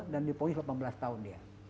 dan dipolis delapan belas tahun dia